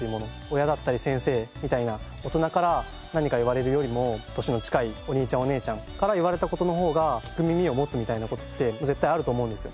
親だったり先生みたいな大人から何か言われるよりも年の近いお兄ちゃんお姉ちゃんから言われた事の方が聞く耳を持つみたいな事って絶対あると思うんですよ。